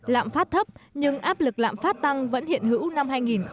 lạm phát thấp nhưng áp lực lạm phát tăng vẫn hiện hữu năm hai nghìn một mươi tám